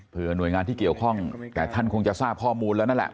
เพื่อหน่วยงานที่เกี่ยวข้องแต่ท่านคงจะทราบข้อมูลแล้วนั่นแหละ